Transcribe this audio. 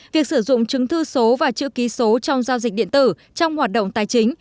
việc sử dụng chứng thư số và chữ ký số trong giao dịch điện tử trong hoạt động tài chính